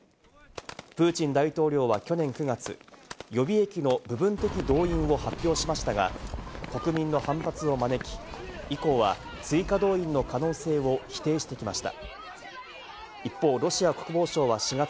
プーチン大統領は去年９月、予備役の部分的動員を発表しましたが、国民の反発を招き、以降は追加動員の可能性を否定してきました。